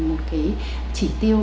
một cái chỉ tiêu